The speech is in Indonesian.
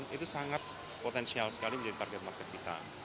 dan itu adalah potensial sekali menjadi target market kita